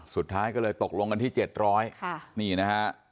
สุดท้ายก็เลยตกลงกันที่เจ็ดร้อยนี่นะฮะ